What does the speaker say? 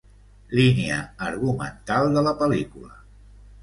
Línia argumental de la pel·lícula.